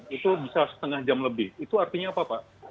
itu bisa setengah jam lebih itu artinya apa pak